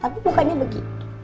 tapi mukanya begitu